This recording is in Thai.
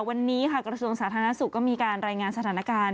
วันนี้ค่ะกระทรวงสาธารณสุขก็มีการรายงานสถานการณ์